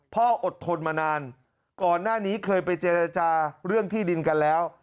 อดทนมานานก่อนหน้านี้เคยไปเจรจาเรื่องที่ดินกันแล้ว